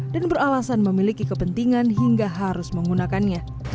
dan beralasan memiliki kepentingan hingga harus menggunakannya